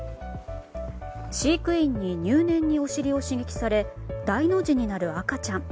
飼育員に入念におしりを刺激され大の字になる赤ちゃん。